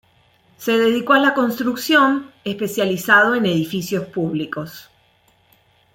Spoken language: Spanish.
Se dedicó a la construcción, especializado en edificios públicos.